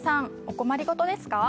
お困り事ですか？